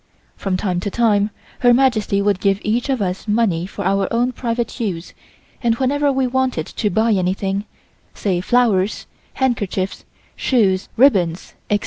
From time to time Her Majesty would give each of us money for our own private use and whenever we wanted to buy anything, say flowers, handkerchiefs, shoes, ribbons, etc.